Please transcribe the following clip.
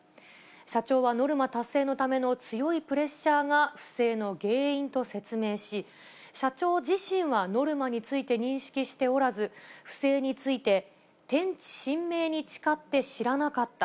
社長はノルマ達成のための強いプレッシャーが、不正の原因と説明し、社長自身はノルマについて認識しておらず、不正について、天地神明に誓って知らなかった。